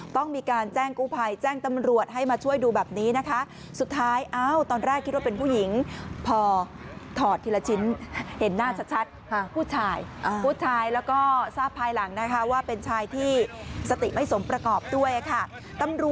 ต้องมีการแจ้งกู้ภัยแจ้งตำรวจให้มาช่วยดูแบบนี้นะคะ